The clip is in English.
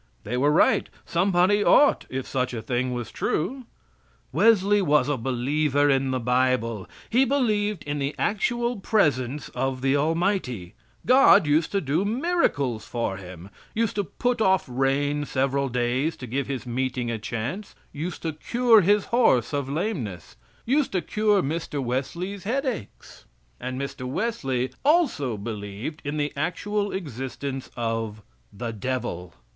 They were right; somebody ought, if such thing was true. Wesley was a believer in the Bible. He believed in the actual presence of the Almighty. God used to do miracles for him; used to put off a rain several days to give his meeting a chance; used to cure his horse of lameness; used to cure Mr. Wesley's headaches. And Mr. Wesley also believed in the actual existence of the devil.